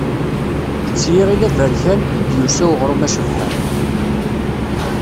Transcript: S yiɣil aberkan, i d-yusa uɣrum acebḥan.